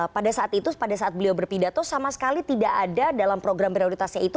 pada saat itu pada saat beliau berpidato sama sekali tidak ada dalam program prioritasnya itu